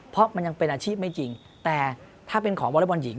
เพราะมันยังเป็นอาชีพไม่จริงแต่ถ้าเป็นของวอเล็กบอลหญิง